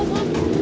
neng kabur ya om